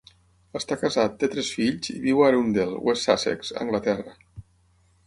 Està casat, té tres fills, i viu a Arundel, West Sussex, Anglaterra.